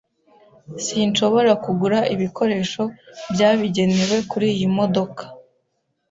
Sinshobora kugura ibikoresho byabigenewe kuriyi modoka